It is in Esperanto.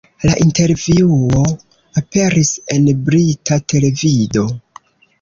La intervjuo aperis en brita televido.